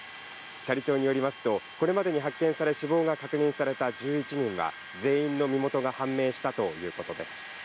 斜里町によりますと、これまでに発見され、死亡が確認された１１人は全員の身元が判明したということです。